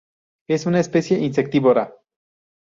Es una especie insectívora.